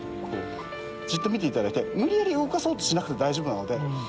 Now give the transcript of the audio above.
じっと見ていただいて無理やり動かさなくて大丈夫です。